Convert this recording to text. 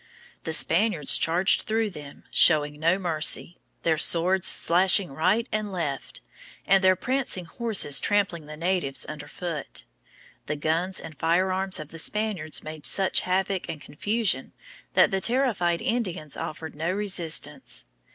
The Spaniards charged through them, showing no mercy, their swords slashing right and left, and their prancing horses trampling the natives under foot. The guns and firearms of the Spaniards made such havoc and confusion that the terrified Indians offered no resistance.